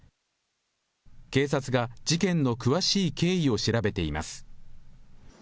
警察が事件の詳しい経緯を調べています。